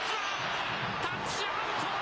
タッチアウト。